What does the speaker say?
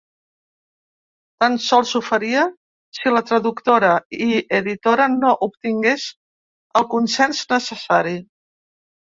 Tan sols ho faria si la traductora i editora no obtingués el consens necessari.